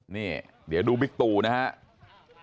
นี่เดี๋ยวดูบิ๊กตูนะครับ